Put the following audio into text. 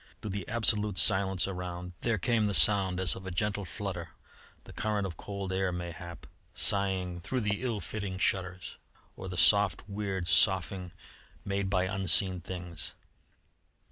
Through the absolute silence around there came the sound as of a gentle flutter, the current of cold air, mayhap, sighing through the ill fitting shutters, or the soft, weird soughing made by unseen things.